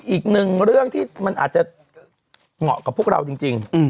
อีกหนึ่งเรื่องที่มันอาจจะเหมาะกับพวกเราจริง